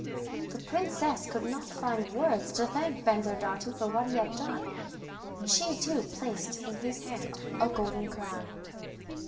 The princess could not find words to thank Bensurdatu for what he had done, and she too placed in his hand a golden crown.